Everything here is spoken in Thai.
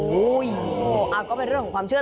ก็เป็นเรื่องของความเชื่อ